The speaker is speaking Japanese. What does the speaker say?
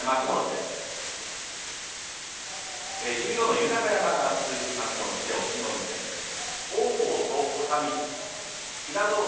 十両豊山、明日幕内で隠岐の海戦です。